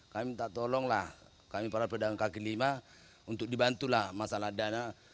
kami minta tolonglah kami para pedagang kaki lima untuk dibantulah masalah dana